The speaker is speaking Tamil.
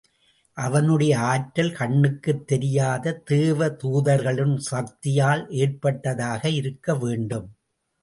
அவனுடைய ஆற்றல் கண்ணுக்குத் தெரியாத தேவதூதர்களின் சக்தியால் ஏற்பட்டதாக இருக்க வேண்டும்.